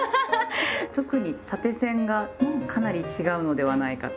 特に縦線がかなり違うのではないかと。